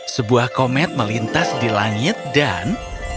sebuah komet melintas di langit dan